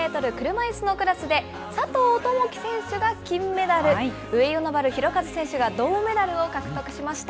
車いすのクラスで、佐藤友祈選手が金メダル、上与那原寛和選手が銅メダルを獲得しました。